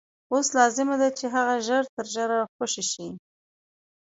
اوس لازمه ده چې هغه ژر تر ژره خوشي شي.